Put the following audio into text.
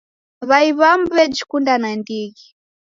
W'ai w'amu w'ejikunda nandighi.